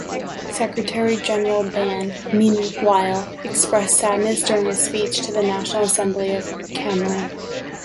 Secretary-General Ban, meanwhile, expressed sadness during a speech to the National Assembly of Cameroon.